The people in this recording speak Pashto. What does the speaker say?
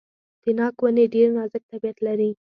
د ناک ونې ډیر نازک طبیعت لري.